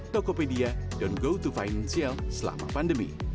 toko pedia dan goto finance selama pandemi